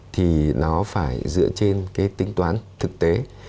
thì nó phải dựa trên cái tính toán thực tế